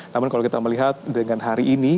namun kalau kita melihat dengan hari ini